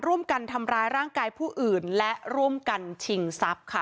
ร่วมกันทำร้ายร่างกายผู้อื่นและร่วมกันชิงทรัพย์ค่ะ